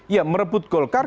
ya merebut golkar